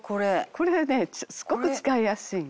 これねすごく使いやすいの。